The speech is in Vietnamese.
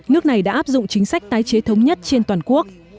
nước này đã áp dụng chính sách tái chế thống nhất trên toàn quốc